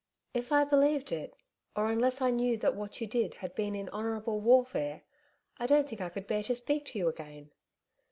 If I believed it or unless I knew that what you did had been in honourable warfare, I don't think I could bear to speak to you again.